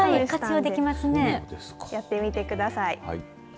やってみてください。